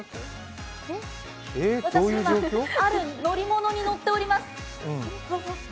ある乗り物に乗っております。